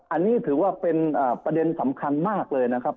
อันนี้ถือว่าเป็นประเด็นสำคัญมากเลยนะครับ